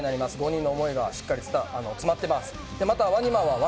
５人の思いがしっかり詰まってます。